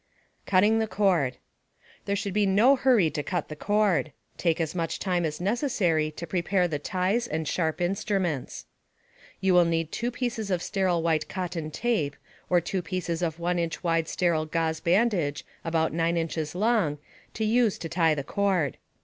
CUTTING THE CORD There should be no hurry to cut the cord. Take as much time as necessary to prepare the ties and sharp instruments. You will need two pieces of sterile white cotton tape or two pieces of 1 inch wide sterile gauze bandage about 9 inches long to use to tie the cord.